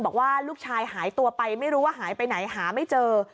บอกว่าลูกชายหายตัวไปไม่รู้ว่าหายไปไหนหาไม่เจอ